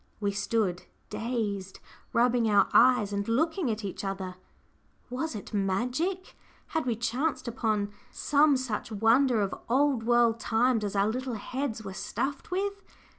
We stood, dazed, rubbing our eyes and looking at each other. Was it magic? Had we chanced upon some such wonder of old world times as our little heads were stuffed with?